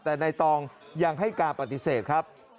แต่ในตองยังให้การปฏิเสธครับ